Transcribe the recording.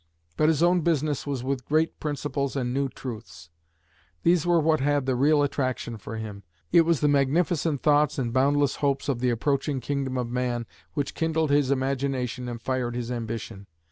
But his own business was with great principles and new truths; these were what had the real attraction for him; it was the magnificent thoughts and boundless hopes of the approaching "kingdom of man" which kindled his imagination and fired his ambition.